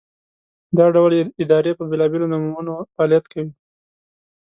دا ډول ادارې په بېلابېلو نومونو فعالیت کوي.